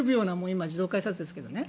今、自動改札ですけどね。